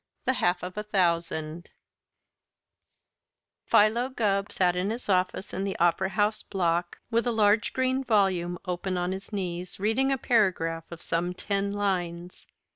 THE HALF OF A THOUSAND Philo Gubb sat in his office in the Opera House Block with a large green volume open on his knees, reading a paragraph of some ten lines.